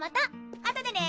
あとでね